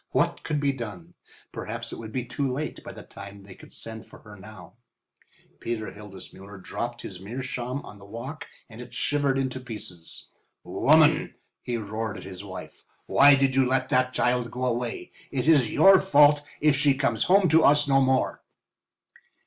What could be done? Perhaps it would be too late by the time they could send for her now. Peter Hildesmuller dropped his meerschaum on the walk and it shivered into pieces. "Woman!" he roared at his wife, "why did you let that child go away? It is your fault if she comes home to us no more."